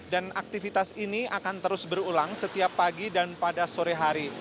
dan aktivitas ini akan terus berulang setiap pagi dan pada sore hari